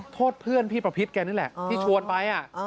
โทษเพื่อนพี่ประพิษแกนี่แหละที่ชวนไป